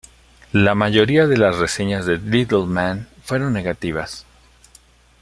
La mayoría de las reseñas de "Little Man" fueron negativas.